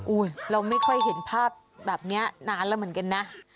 เราไม่ค่อยเห็นภาพแบบนี้นานแล้วเหมือนกันนะ